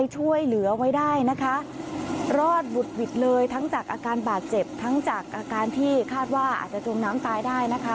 หลังจากอาการบาดเจ็บทั้งจากอาการที่คาดว่าอาจจะจงน้ำตายได้นะคะ